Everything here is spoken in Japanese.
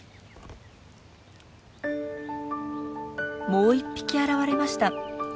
もう一匹現れました。